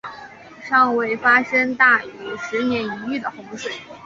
尚未发生大于十年一遇的洪水。